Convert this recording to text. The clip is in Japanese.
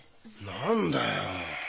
何だよ。